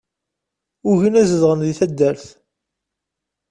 Ugin ad zedɣen di taddart.